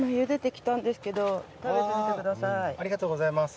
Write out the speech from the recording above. ありがとうございます。